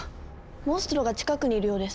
モンストロが近くにいるようです。